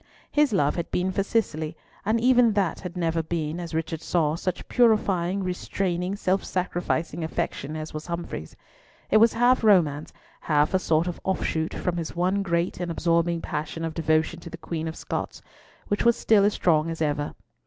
His love had been for Cicely, and even that had never been, as Richard saw, such purifying, restraining, self sacrificing affection as was Humfrey's. It was half romance, half a sort of offshoot from his one great and absorbing passion of devotion to the Queen of Scots, which was still as strong as ever.